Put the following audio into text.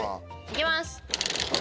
行きます。